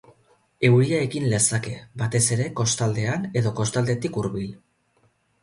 Euria egin lezake, batez ere kostaldean edo kostaldetik hurbil.